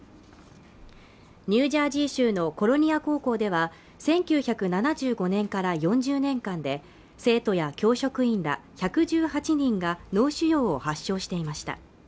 ニュージャージー州のコロニア高校では１９７５年から４０年間で生徒や教職員ら１１８人が脳腫瘍を発症していました